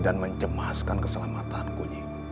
dan mencemaskan keselamatan ku